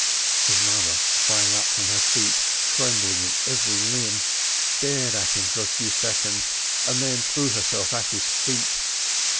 His mother sprang up from her seat, trembling in every limb, stared at him for a few seconds, and then threw herself at his feet.